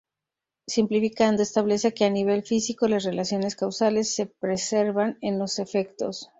Simplificando, establece que, a nivel físico, las relaciones causales se preservan en los efectos.